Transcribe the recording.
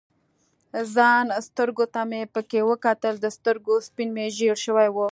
ځان سترګو ته مې پکې وکتل، د سترګو سپین مې ژړ شوي ول.